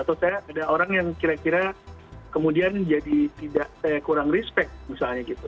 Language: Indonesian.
atau saya ada orang yang kira kira kemudian jadi tidak saya kurang respect misalnya gitu